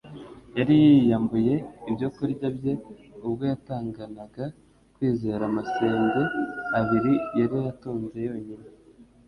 Yari yiyambuye ibyo kurya bye ubwo yatanganaga kwizera amasenge abiri yari atunze yonyine,